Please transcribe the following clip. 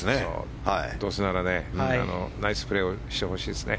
どうせならナイスプレーをしてほしいですね。